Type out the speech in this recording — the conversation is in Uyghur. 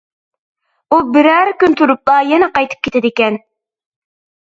ئۇ بىرەر كۈن تۇرۇپلا يەنە قايتىپ كېتىدىكەن.